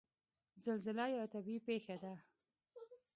زلزله یوه طبعي پېښه ده.